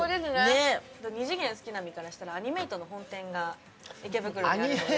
二次元好きな身からしたら、アニメイトの本店が池袋に。